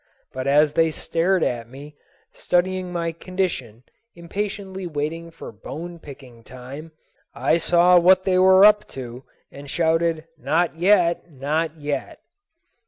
But as they stared at me, studying my condition, impatiently waiting for bone picking time, I saw what they were up to and shouted, "Not yet, not yet!"